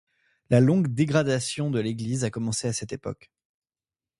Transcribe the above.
La longue dégradation de l'église a commencé à cette époque.